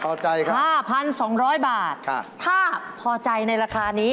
พอใจครับ๕๒๐๐บาทถ้าพอใจในราคานี้